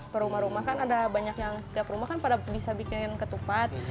ke rumah rumah kan ada banyak yang setiap rumah kan pada bisa bikin ketupat